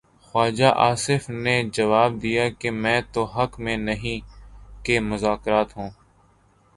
خواجہ آصف نے جواب دیا کہ میں تو حق میں نہیں کہ مذاکرات ہوں۔